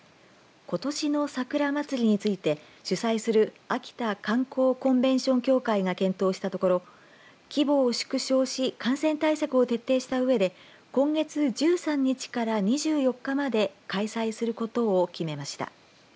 ことしの桜まつりについて主催する秋田観光コンベンション協会が検討したところ規模を縮小し感染対策を徹底したうえで今月１３日から２４日まで開催することを決めました。